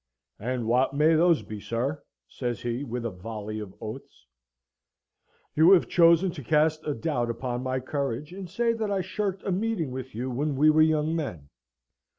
"And what may those be, sir?" says he, with a volley of oaths. "You have chosen to cast a doubt upon my courage, and say that I shirked a meeting with you when we were young men.